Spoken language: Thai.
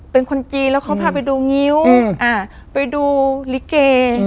เป็นคนจีนแล้วเขาพาไปดูงิ้วไปดูลิเก